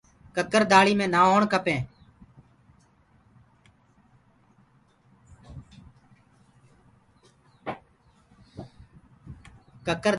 ڪڪر دآݪی مي نآ هوڻ کپينٚ۔